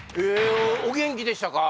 お元気でしたか？